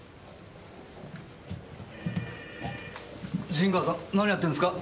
陣川さん何やってんすか？